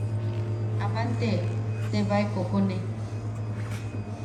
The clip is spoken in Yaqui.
Aman te tebae kokone.